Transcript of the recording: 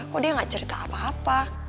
kok dia gak cerita apa apa